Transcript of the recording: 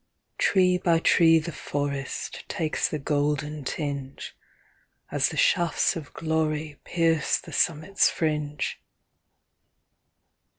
Tree by tree the forest Takes the golden tinge, As the shafts of glory Pierce the summit's fringe.